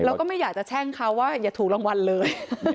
แล้วก็ไม่อยากจะแช่งเขาว่าอย่าถูกรางวัลเลย